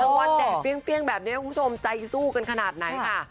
วันแดดเปรี้ยงแบบนี้คุณผู้ชมใจสู้กันขนาดไหนค่ะ